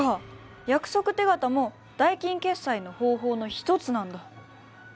約束手形も代金決済の方法の一つなんだ。